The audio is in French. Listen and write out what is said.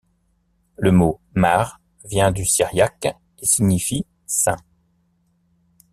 Le mot Mar vient du syriaque et signifie saint.